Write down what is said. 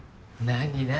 何何？